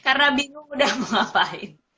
karena bingung udah mau ngapain